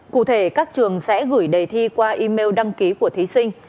cụ thể các trường sẽ gửi đề thi qua email đăng ký của thí sinh